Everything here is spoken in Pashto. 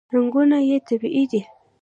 رنګونه یې طبیعي دي.